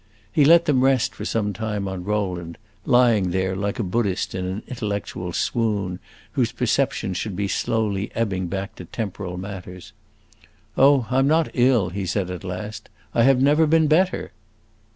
He let them rest for some time on Rowland, lying there like a Buddhist in an intellectual swoon, whose perception should be slowly ebbing back to temporal matters. "Oh, I 'm not ill," he said at last. "I have never been better."